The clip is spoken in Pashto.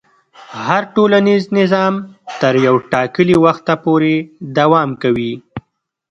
هر ټولنیز نظام تر یو ټاکلي وخته پورې دوام کوي.